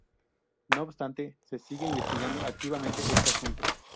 No obstante, se sigue investigando activamente este asunto.